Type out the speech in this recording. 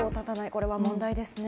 これは問題ですね。